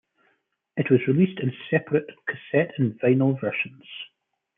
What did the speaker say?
It was released in separate cassette and vinyl versions.